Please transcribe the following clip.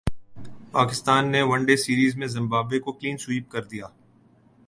پاکستان نے one day series میں Zimbabwe کو کلین سوئپ کردیا